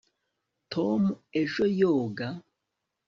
tom ejo yoga